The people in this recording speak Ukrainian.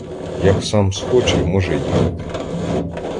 Як сам схоче, може їхати.